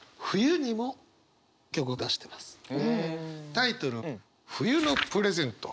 タイトルは「冬のプレゼント」。